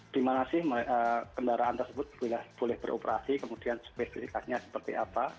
di mana sih kendaraan tersebut boleh beroperasi kemudian spesifikasinya seperti apa